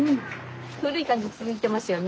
古い感じ続いてますよね。